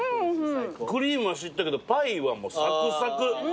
クリームはしっとりだけどパイはサクサク。